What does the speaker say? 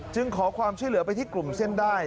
ขอความช่วยเหลือไปที่กลุ่มเส้นได้